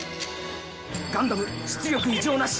ガンダム出力異常なし！